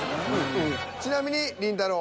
ちなみにりんたろー。